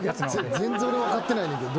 全然俺分かってないねんけど。